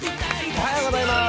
おはようございます。